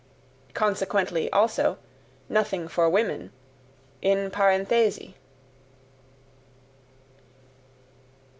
Consequently, also, nothing for women, IN PARENTHESI.